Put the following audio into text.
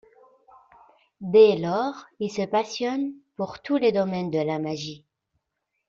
Dès lors, il se passionne pour tous les domaines de la magie.